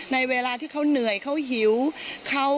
ไม่เอาค่ะไม่เอาค่ะ